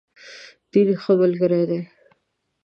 دین، ښه ملګری دی.